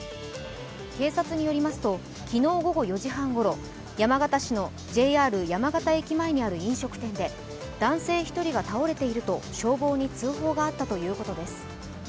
警察によりますと、昨日午後４時半ごろ、山県市のＪＲ山形駅前にある飲食店で男性１人が倒れていると消防に通報があったということです。